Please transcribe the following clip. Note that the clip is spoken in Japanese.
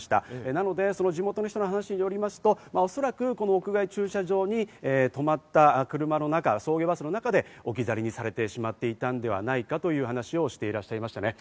なので地元の方の話によりますと、この屋外駐車場に止まった車の中、送迎バスの中で置き去りにされてしまっていたのではないかという話をしていらっしゃいました。